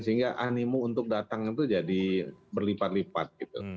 sehingga animu untuk datang itu jadi berlipat lipat gitu